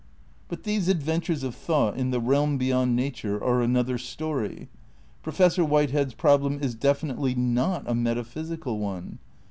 But these adventures of thought in the reahn beyond nature are another story. Professor Whitehead's prob lem is definitely not a metaphysical one.